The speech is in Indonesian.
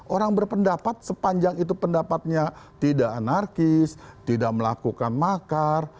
orang berpendapat sepanjang itu pendapatnya tidak anarkis tidak melakukan makar